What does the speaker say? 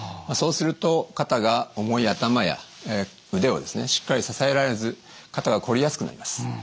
そうすると肩が重い頭や腕をですねしっかり支えられず肩がこりやすくなります。